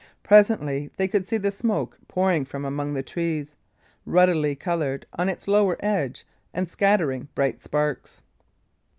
Presently they could see the smoke pouring from among the trees, ruddily coloured on its lower edge and scattering bright sparks.